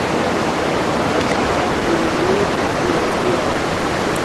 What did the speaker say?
مھارے ٻاپا کُو رُگی بھجی وٹؔتی ہے